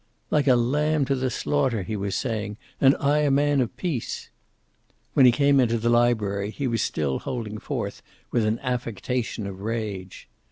" like a lamb to the slaughter!" he was saying. "And I a man of peace!" When he came into the library he was still holding forth with an affectation of rage.